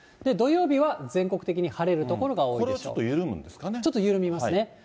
土曜日は全国的に晴れる所が多いこれはちょっと緩むんですかちょっと緩みますね。